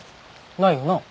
ないよな？